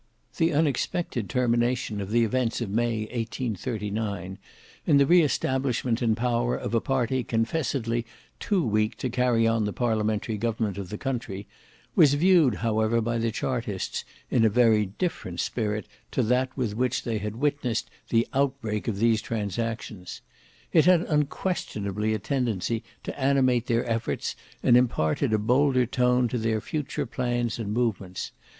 The unexpected termination of the events of May, 1839, in the re establishment in power of a party confessedly too weak to carry on the parliamentary government of the country, was viewed however by the chartists in a very different spirit to that with which they had witnessed the outbreak of these transactions. It had unquestionably a tendency to animate their efforts, and imparted a bolder tone to their future plans and movements.